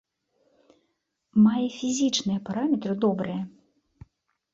Мае фізічныя параметры добрыя.